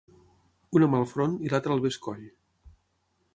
Una mà al front i l'altra al bescoll.